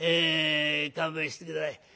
勘弁して下さい。